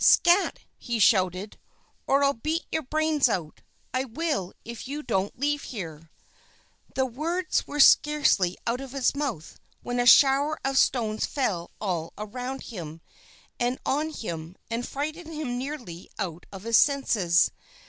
"Scat!" he shouted, "or I'll beat your brains out, I will, if you don't leave here!" The words were scarcely out of his mouth, when a shower of stones fell all around him, and on him, and frightened him nearly out of his senses.